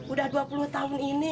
udah dua puluh tahun ini